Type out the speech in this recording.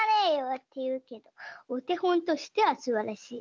っていうけどおてほんとしてはすばらしい」。